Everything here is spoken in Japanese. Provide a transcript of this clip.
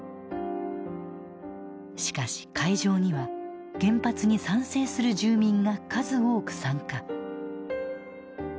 しかし会場には原発に賛成する住民が数多く参加。